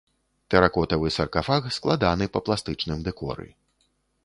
Тэракотавы саркафаг складаны па пластычным дэкоры.